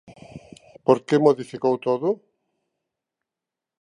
¿Por que modificou todo?